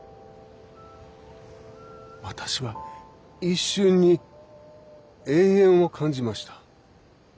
私は一瞬に永遠を感じました。